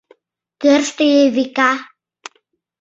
Тӧрштӧ, Эвика!